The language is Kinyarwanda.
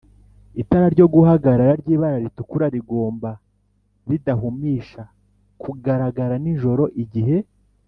Itara ryo guhagarara ry ibara ritukura rigomba ridahumisha kugaragara n ijoro igihe